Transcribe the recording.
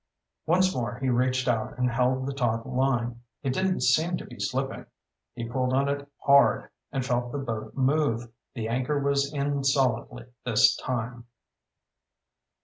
Once more he reached out and held the taut line. It didn't seem to be slipping. He pulled on it hard, and felt the boat move. The anchor was in solidly this time.